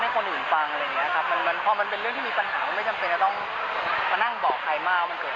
ไม่เคยเสียดายเลยครับผมรู้สึกว่ามันก็เป็น๓ปีที่ที่แฮปปี้มาก